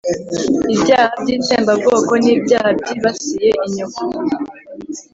ibyaha by'itsembabwoko, n'ibyaha byibasiye inyoko